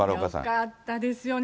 よかったですよね。